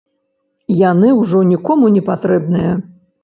Яны ўжо нікому не патрэбныя.